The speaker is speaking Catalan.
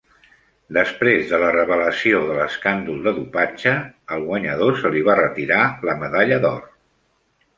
Després de la revelació de l'escàndol de dopatge, al guanyador se li va retirar la medalla d'or.